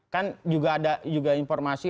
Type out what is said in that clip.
kan juga ada juga informasi